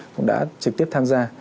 cũng đã trực tiếp tham gia